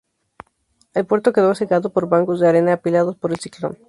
El puerto quedó cegado por bancos de arena apilados por el ciclón.